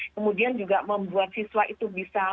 kemudian juga membuat siswa itu bisa